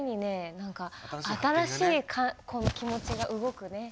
何か新しい気持ちが動くね。